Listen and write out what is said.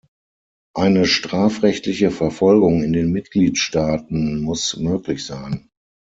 Eine strafrechtliche Verfolgung in den Mitgliedstaaten muss möglich sein.